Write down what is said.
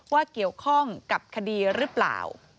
ว่าเกี่ยวข้องกับคดีหรือเปล่า